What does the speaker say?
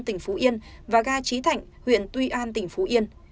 tỉnh phú yên và ga trí thạnh huyện tuy an tỉnh phú yên